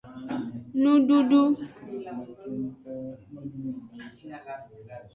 Ndudu.